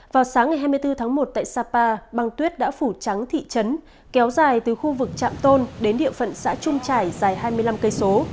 vào sáng ngày hai mươi bốn tháng một tại sapa băng tuyết đã phủ trắng thị trấn kéo dài từ khu vực trạm tôn đến địa phận xã trung trải dài hai mươi năm km